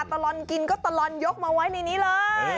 ตลอดกินก็ตลอดยกมาไว้ในนี้เลย